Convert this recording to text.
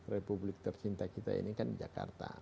republik tercinta kita ini kan jakarta